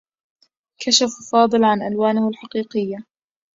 كشف فاضل عن ألوانه الحقيقية.